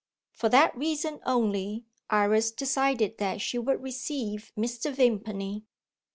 For that reason only Iris decided that she would receive Mr. Vimpany.